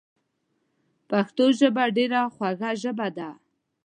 پښتو ژبه ډیره خوږه ژبه ده